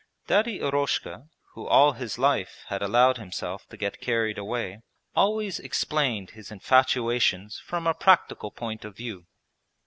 Daddy Eroshka, who all his life had allowed himself to get carried away, always explained his infatuations from a practical point of view.